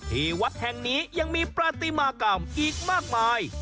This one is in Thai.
ที่วัดแห่งนี้ยังมีประติมากรรมอีกมากมาย